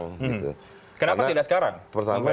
kenapa tidak sekarang pertama